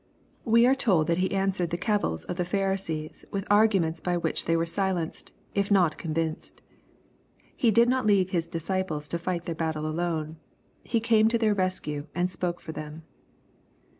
We are told that He answered the cavils of the Phariseea with arguments by which they were silenced, if not con vinced. He did not leave His disciples to fight their battle alone. He came to their rescue, and spoke for them.